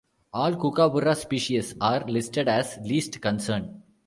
All kookaburra species are listed as Least Concern.